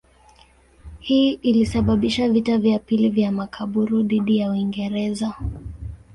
Hii ilisababisha vita vya pili vya Makaburu dhidi ya Uingereza.